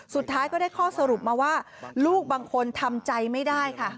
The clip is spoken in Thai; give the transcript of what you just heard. สุดท้ายก็ได้ข้อสรุปมาว่าลูกบางคนทำใจไม่ได้ค่ะ